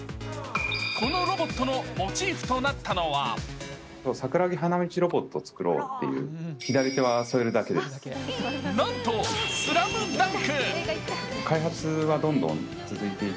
このロボットのモチーフとなったのはなんと「ＳＬＡＭＤＵＮＫ」。